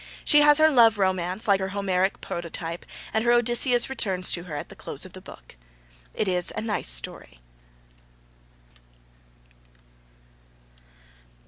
She has her love romance, like her Homeric prototype, and her Odysseus returns to her at the close of the book. It is a nice story.